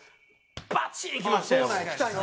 バチーン！きましたよ。